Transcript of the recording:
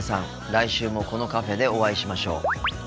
来週もこのカフェでお会いしましょう。